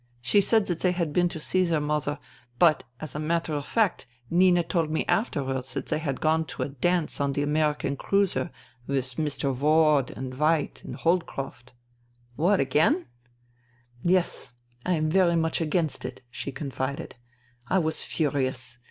She said that they had been to see their mother, but as a matter of fact Nina told me afterwards that they had gone to a dance on the American cruiser with Mr. Ward and White and Holdcroft." " What, again I "'' Yes, I am very much against it," she confided. " I was furious.